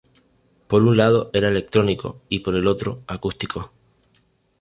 Por un lado era electrónico y por el otro acústico.